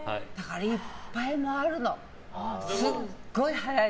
いっぱい回るの。